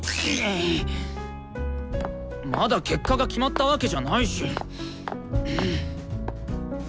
まだ結果が決まったわけじゃないし！